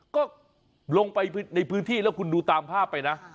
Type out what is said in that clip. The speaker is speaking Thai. ก็ลงไปในพื้นที่แล้วคุณดูตามภาพไปนะ